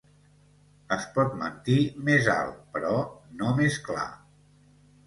Es pot mentir més alt però no més clar.